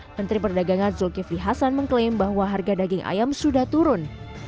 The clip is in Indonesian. menteri perdagangan zulkifli hasan mengklaim bahwa harga daging ayam sudah turun